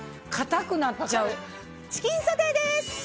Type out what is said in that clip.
チキンソテーです！